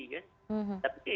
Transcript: tapi kata kata itu terjadi ya